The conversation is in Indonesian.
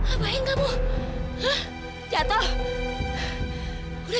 apaan gitu kamu